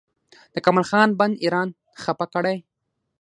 د کمال خان بند ایران خفه کړی؟